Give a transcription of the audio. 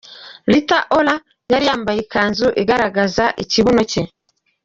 Rita Ora yari yambaye ikanzu igaragaza ikibuno cye.